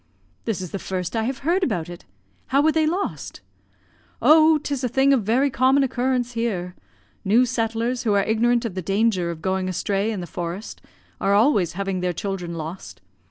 "This is the first I have heard about it. How were they lost?" "Oh, 'tis a thing of very common occurrence here. New settlers, who are ignorant of the danger of going astray in the forest, are always having their children lost.